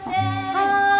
はい。